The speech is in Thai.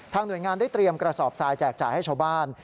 หน่วยงานได้เตรียมกระสอบทรายแจกจ่ายให้ชาวบ้าน